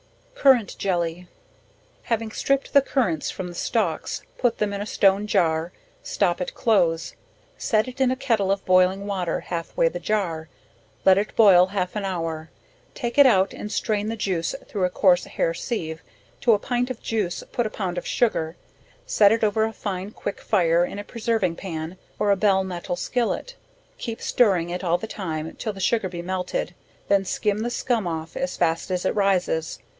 Currant Jelly. Having stripped the currants from the stalks, put them in a stone jar, stop it close, set it in a kettle of boiling water, halfway the jar, let it boil half an hour, take it out and strain the juice through a coarse hair sieve, to a pint of juice put a pound of sugar, set it over a fine quick fire in a preserving pan, or a bell metal skillet, keep stirring it all the time till the sugar be melted, then skim the skum off as fast as it rises.